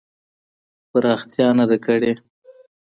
پراختیا نه ده کړې.